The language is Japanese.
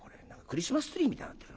クリスマスツリーみたいになってる。